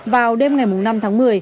vào đêm ngày năm tháng một mươi